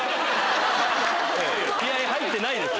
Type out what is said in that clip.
気合入ってないです。